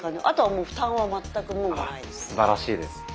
あとはもう負担は全くももないです。